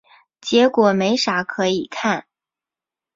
结果没啥可以看